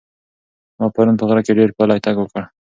ما پرون په غره کې ډېر پلی تګ وکړ.